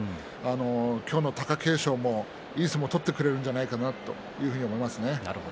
今日の貴景勝もいい相撲を取ってくれるんじゃないかなというふうに思いますね。